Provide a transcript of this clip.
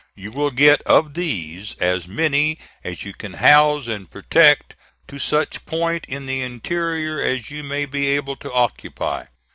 You will get of these as many as you can house and protect to such point in the interior as you may be able to occupy.